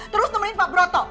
terus nemenin pak broto